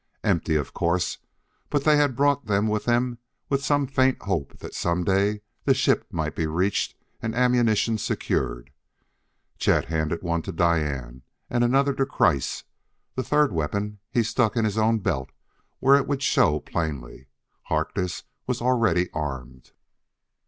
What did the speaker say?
Empty, of course, but they had brought them with them with some faint hope that some day the ship might be reached and ammunition secured. Chet handed one to Diane and another to Kreiss; the third weapon he stuck in his own belt where it would show plainly. Harkness was already armed.